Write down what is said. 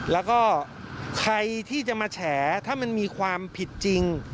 แล้วก็ใครที่จะมาแฉถ้ามันมีความผิดจริง